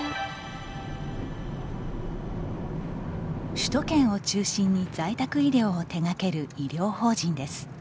首都圈を中心に在宅医療を手掛ける医療法人です。